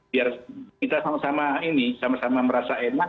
biar kita sama sama ini sama sama merasa enak